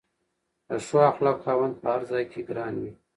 د ښو اخلاقو خاوند په هر ځای کې ګران وي.